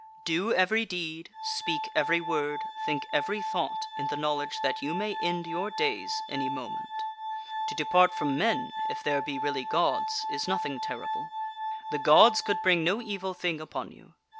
Do every deed, speak every word, think every thought in the knowledge that you may end your days any moment. To depart from men, if there be really Gods, is nothing terrible. The Gods could bring no evil thing upon you.